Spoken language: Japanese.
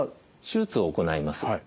手術を行います。